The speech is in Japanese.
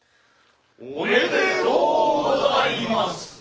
おめでとうございます。